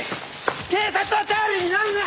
警察は頼りにならない！